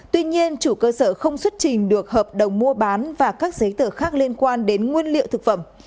tuy nhiên chủ cơ sở không xuất trình được hợp đồng mua bán và các giấy tờ khác liên quan đến nguyên liệu thực phẩm